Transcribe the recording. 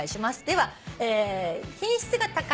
では。